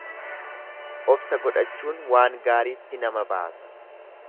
Obsa godhachuun waan gaaritti nama baasa.